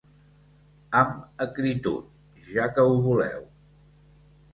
-Amb acritud, ja que ho voleu.